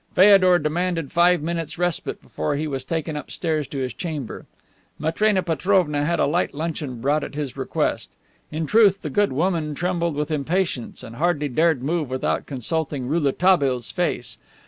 Feodor demanded five minutes' respite before he was taken upstairs to his chamber. Matrena Petrovna had a light luncheon brought at his request. In truth, the good woman trembled with impatience and hardly dared move without consulting Rouletabille's face.